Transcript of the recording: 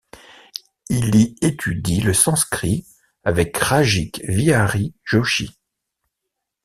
Il y étudie le sanskrit avec Rashik Vihari Joshi.